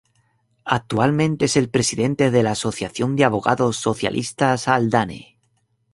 Actualmente es el presidente de la Asociación de Abogados Socialistas Haldane.